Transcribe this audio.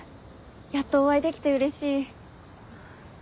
やっとお会いできてうれしい。